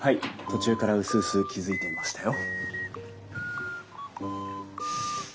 途中からうすうす気付いていましたよ。